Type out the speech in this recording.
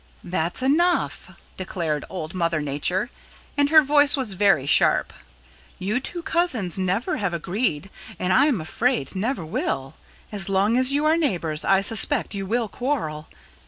"That's enough," declared Old Mother Nature, and her voice was very sharp. "You two cousins never have agreed and I am afraid never will. As long as you are neighbors, I suspect you will quarrel.